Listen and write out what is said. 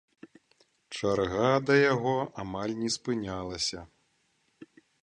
Чарга да яго амаль не спынялася.